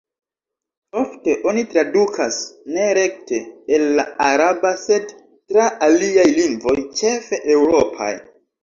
Ofte oni tradukas ne rekte el la araba, sed tra aliaj lingvoj, ĉefe eŭropaj.